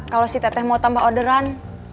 kalau si teteh mau tambah orderan